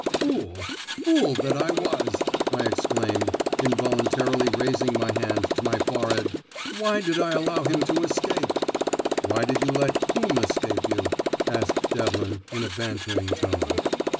"Fool, fool, that I was!" I exclaimed, involuntarily raising my hand to my forehead. "Why did I allow him to escape?" "Why did you let whom escape you?" asked Devlin, in a bantering tone.